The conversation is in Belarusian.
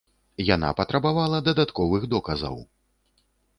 Яна патрабавала дадатковых доказаў.